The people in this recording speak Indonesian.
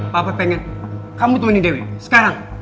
papa pengen kamu temannya dewi sekarang